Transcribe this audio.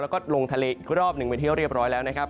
แล้วก็ลงทะเลอีกรอบหนึ่งเป็นที่เรียบร้อยแล้วนะครับ